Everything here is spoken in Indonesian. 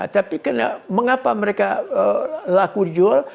tapi mengapa mereka laku jual